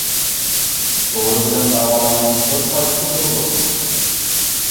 دورا بىلەن داۋالاشنىڭ كۆپ پايدىسى بولىدۇ.